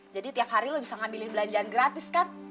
jadi tiap hari lo bisa ngambilin belanjaan gratis kan